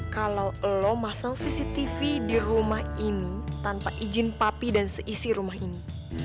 kalau lo masal cctv di rumah ini tanpa izin papi dan seisi rumah ini